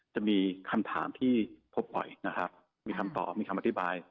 จะมีคำถามที่พบบ่อยนะครับมีคำตอบมีคำอธิบาย